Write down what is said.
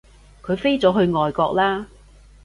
佢飛咗去外國喇